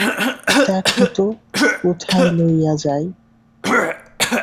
দেখো তো কোথায় লইয়া যাই।